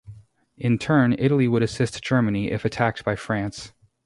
In turn, Italy would assist Germany if attacked by France.